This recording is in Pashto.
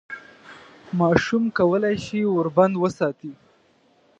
ماشوم کولای شي ور بند وساتي.